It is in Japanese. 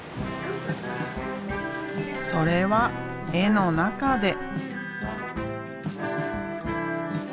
それは絵の中で。